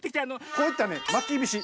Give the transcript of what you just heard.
こういったね「まきびし」